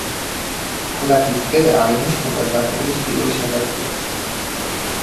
ქალაქის დღე აღინიშნება ზაფხულის პირველ შაბათ-კვირას.